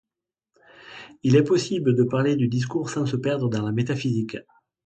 Il est possible de parler du discours sans se perdre dans la métaphysique.